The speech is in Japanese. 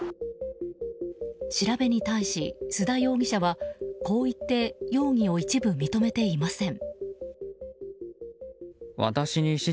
調べに対し、須田容疑者はこう言って容疑を一部認めていません。